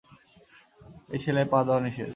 এই শিলায় পা ধোয়া নিষেধ।